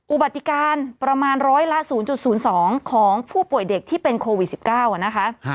บัติการประมาณร้อยละ๐๐๒ของผู้ป่วยเด็กที่เป็นโควิด๑๙นะคะ